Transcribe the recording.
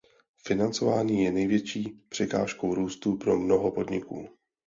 Financování je největší překážkou růstu pro mnoho podniků.